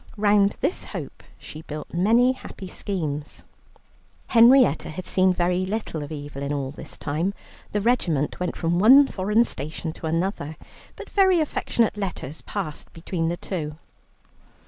Round this hope she built many happy schemes. Henrietta had seen very little of Evelyn all this time the regiment went from one foreign station to another but very affectionate letters passed between the two.